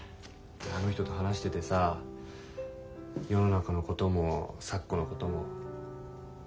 あの人と話しててさ世の中のことも咲子のことも。